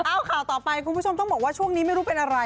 เอาข่าวต่อไปคุณผู้ชมต้องบอกว่าช่วงนี้ไม่รู้เป็นอะไร